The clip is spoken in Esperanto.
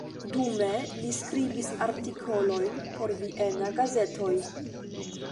Dume li skribis artikolojn por viena gazetoj.